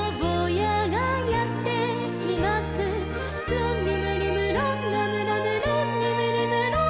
「ロンリムリムロンラムラムロンリムリムロン」